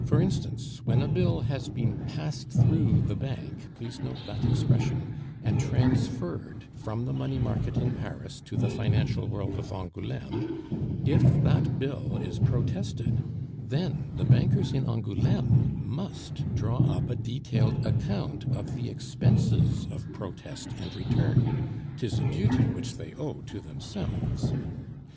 For instance, when a bill has been passed through the bank (please note that expression), and transferred from the money market in Paris to the financial world of Angouleme, if that bill is protested, then the bankers in Angouleme must draw up a detailed account of the expenses of protest and return; 'tis a duty which they owe to themselves.